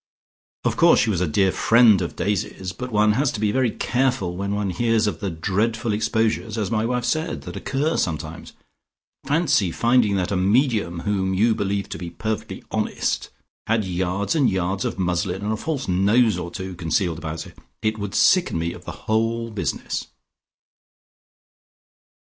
"Of course she was a dear friend of Daisy's, but one has to be very careful when one hears of the dreadful exposures, as my wife said, that occur sometimes. Fancy finding that a medium whom you believed to be perfectly honest had yards and yards of muslin and a false nose or two concealed about her. It would sicken me of the whole business."